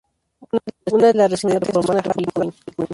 Una de las residentes es una reformada Harley Quinn.